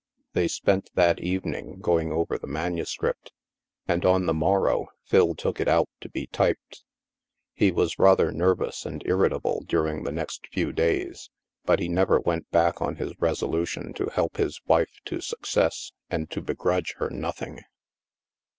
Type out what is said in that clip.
They spent that evening going over the manu script and, on the morrow, Phil took it out to be typed. He was rather nervous and irritable during the next few days, but he never went back on his resolution to help his wife to success and to begrudge her nothing.